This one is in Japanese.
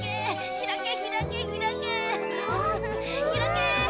ひらけ。